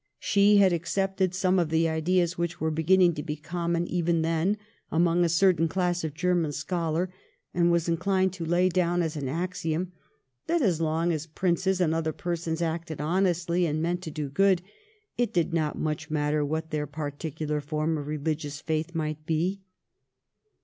She had accepted some of the ideas which were beginning to be common, even then, among a certain class of German scholar, and was inclined to lay down as an axiom that, as long as princes and other persons acted honestly and meant to do good, it did not much matter what their particular form of religious faith might be.